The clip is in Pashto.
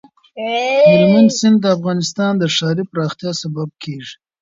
هلمند سیند د افغانستان د ښاري پراختیا سبب کېږي.